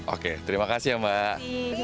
oke terima kasih mbak